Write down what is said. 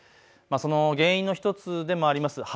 その原因の１つでもあります